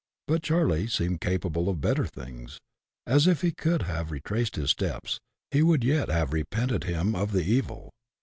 But Charley seemed capable of better things, as if, could he have retraced his steps, he would yet have repented him of the evil.